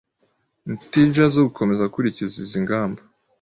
integer zo gukomeza gukurikiza izi ngamba